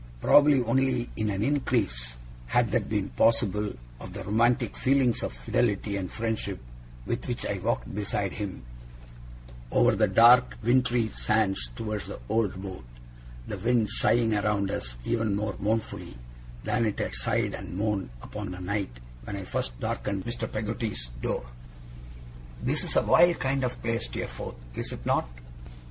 Probably only in an increase, had that been possible, of the romantic feelings of fidelity and friendship with which I walked beside him, over the dark wintry sands towards the old boat; the wind sighing around us even more mournfully, than it had sighed and moaned upon the night when I first darkened Mr. Peggotty's door. 'This is a wild kind of place, Steerforth, is it not?